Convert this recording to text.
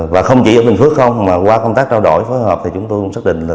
và không chỉ ở bình phước không mà qua công tác trao đổi phối hợp thì chúng tôi cũng xác định là